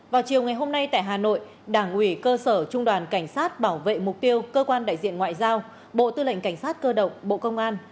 vào chiều ngày hôm nay tại hà nội đảng ủy cơ sở trung đoàn cảnh sát bảo vệ mục tiêu cơ quan đại diện ngoại giao bộ tư lệnh cảnh sát cơ động bộ công an